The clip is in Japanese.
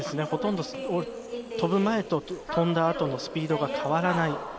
ほとんど跳ぶ前と跳んだ後のスピードが変わらない。